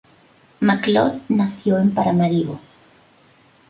McLeod nació en Paramaribo.